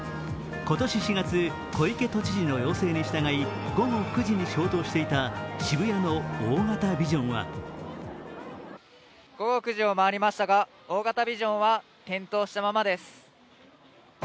今年４月、小池都知事の要請に従い午後９時に消灯していた渋谷の大型ビジョンは午後９時を回りましたが、大型ビジョンは点灯したままです。